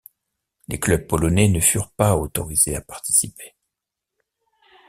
Les clubs polonais ne furent pas autorisés à participer.